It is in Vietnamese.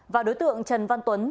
và đối tượng trần văn tuấn